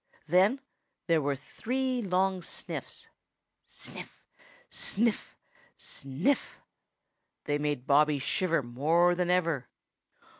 Then there were three long sniffs sniff, sniff, sniff! They made Bobby shiver more than ever.